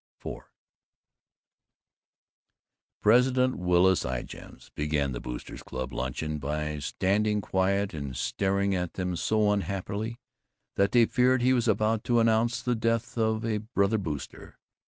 IV President Willis Ijams began that Boosters' Club luncheon by standing quiet and staring at them so unhappily that they feared he was about to announce the death of a Brother Booster.